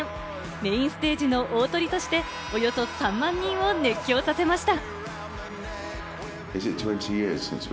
メインステージの大トリとしておよそ３万人を熱狂させました。